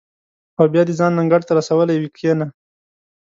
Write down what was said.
او بیا دې ځان انګړ ته رسولی وي کېنه.